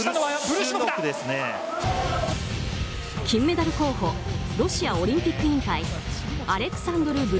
金メダル候補ロシアオリンピック委員会アレクサンドル